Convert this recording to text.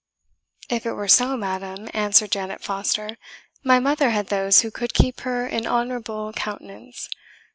"If it were so, madam," answered Janet Foster, "my mother had those who could keep her in honourable countenance.